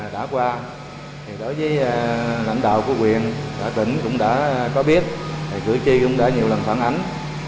đã qua đối với lãnh đạo của quyền các tỉnh cũng đã có biết cử tri cũng đã nhiều lần phản ánh